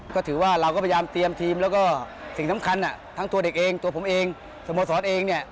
ก็ถือว่าเราก็พยายามเตรียมทีมแล้วก็สิ่งสำคัญทั้งตัวเด็กเองตัวผมเองสโมสรเองเนี่ย